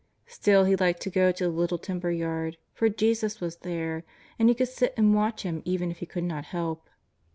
Still he liked to go to th« little timber yard, for Jesus was there, and He could sit and watch Him even if he could not help.